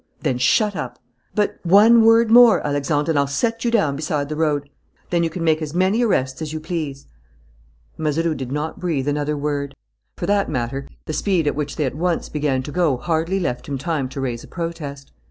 "Then shut up." "But " "One word more, Alexandre, and I'll set you down beside the road. Then you can make as many arrests as you please." Mazeroux did not breathe another word. For that matter the speed at which they at once began to go hardly left him time to raise a protest.